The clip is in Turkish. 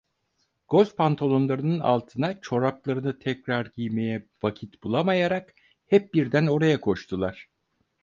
Golf pantolonlarının altına çoraplarını tekrar giymeye vakit bulamayarak hep birden oraya koştular.